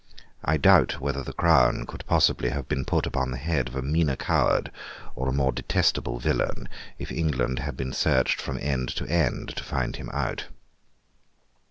I doubt whether the crown could possibly have been put upon the head of a meaner coward, or a more detestable villain, if England had been searched from end to end to find him out.